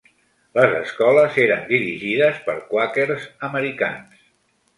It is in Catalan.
Les escoles eren dirigides per quàquers americans.